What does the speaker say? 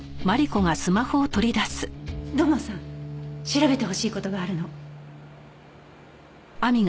土門さん調べてほしい事があるの。